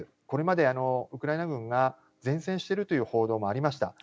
これまでウクライナ軍が善戦しているという報道もありました。